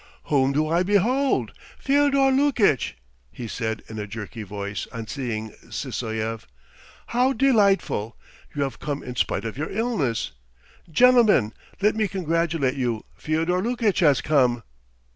"Whom do I behold? Fyodor Lukitch!" he said in a jerky voice, on seeing Sysoev. "How delightful! You have come in spite of your illness. Gentlemen, let me congratulate you, Fyodor Lukitch has come!"